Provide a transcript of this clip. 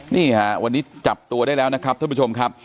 นี่ฮะวันนี้จับตัวได้แล้วนะครับท่านผู้ชมครับ